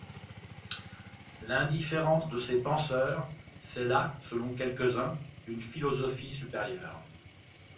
L’indifférence de ces penseurs, c’est là, selon quelques-uns, une philosophie supérieure.